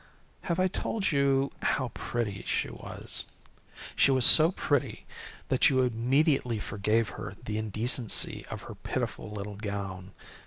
Have I told you how pretty she was? She was so pretty that you immediately forgave her the indecency of her pitiful little gown.